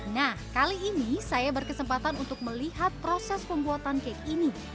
nah kali ini saya berkesempatan untuk melihat proses pembuatan cake ini